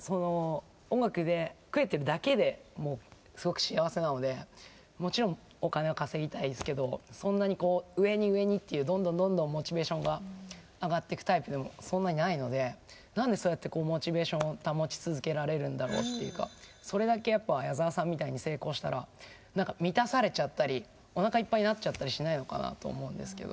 音楽で食えてるだけでもうすごく幸せなのでもちろんお金を稼ぎたいですけどそんなに上に上にっていうどんどんどんどんモチベーションが上がっていくタイプでもそんなにないので何でそうやってモチベーションを保ち続けられるんだろうっていうかそれだけやっぱ矢沢さんみたいに成功したら満たされちゃったりおなかいっぱいになっちゃったりしないのかなと思うんですけど。